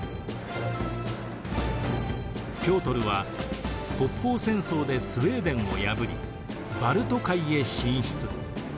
ピョートルは北方戦争でスウェーデンを破りバルト海へ進出。